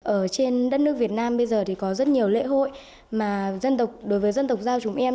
ở trên đất nước việt nam bây giờ thì có rất nhiều lễ hội mà dân tộc đối với dân tộc giao chúng em